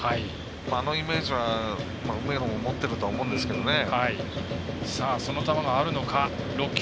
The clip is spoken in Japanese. あのイメージは梅野も持ってるとは思うんですけどね。